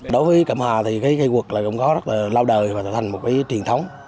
đối với cẩm hà thì cái quật là cũng có rất là lao đời và thành một cái truyền thống